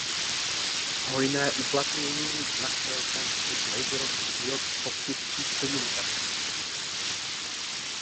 Hojné uplatnění našel tento typ laserových diod v optických komunikacích.